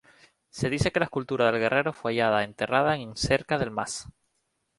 Se dice que la escultura del guerrero fue hallada enterrada en cerca del más.